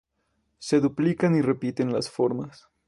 Se duplican y repiten las formas.